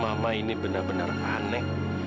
mama ini benar benar aneh